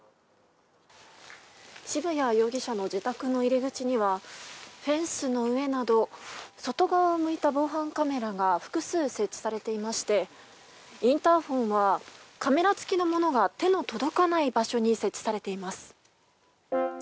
渋谷容疑者の自宅の入り口にはフェンスの上など外側を向いた防犯カメラが複数設置されていましてインターホンはカメラ付きのものが手の届かない場所に設置されています。